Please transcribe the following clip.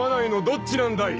どっちなんだい？